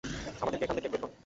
আমাদেরকে এখান থেকে বের কর।